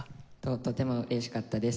とても嬉しかったです。